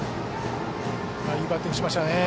いいバッティングしましたよね。